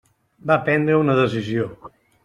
Va prendre una decisió.